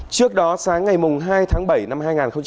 trước đó sáng ngày hai tháng bảy năm hai nghìn hai mươi